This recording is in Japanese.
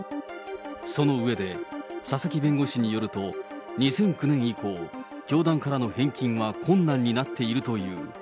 その上で、佐々木弁護士によると、２００９年以降、教団からの返金は困難になっているという。